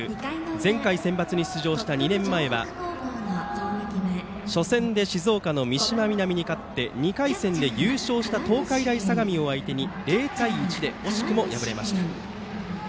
前回センバツに出場した２年前は初戦で静岡の高校に勝って２回戦で優勝した東海大相模を相手に０対１で惜しくも敗れました。